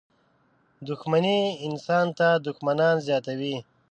• دښمني انسان ته دښمنان زیاتوي.